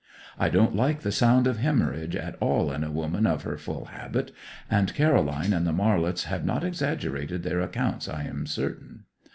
I don't like the sound of haemorrhage at all in a woman of her full habit, and Caroline and the Marlets have not exaggerated their accounts I am certain.